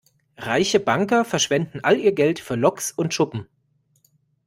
Reiche Banker verschwenden all ihr Geld für Loks und Schuppen.